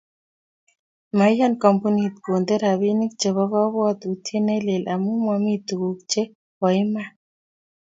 Maiyan kampunit konte robinik chebo kabwotutiet ne lel amu mamii tetutik che bo iman.